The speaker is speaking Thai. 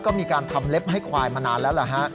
ก็มีการทำเล็บให้ควายมานานแล้วล่ะฮะ